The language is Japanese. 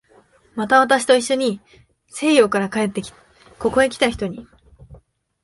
また、私といっしょに西洋から帰ってここへきた人に